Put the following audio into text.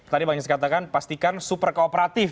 tadi banyak yang katakan pastikan super kooperatif